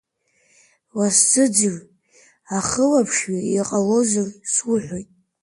Уаасзыӡырҩ, ахылаԥшҩы, иҟалозар, суҳәоит!